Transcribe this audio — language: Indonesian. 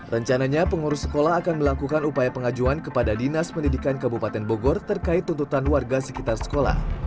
rencananya pengurus sekolah akan melakukan upaya pengajuan kepada dinas pendidikan kabupaten bogor terkait tuntutan warga sekitar sekolah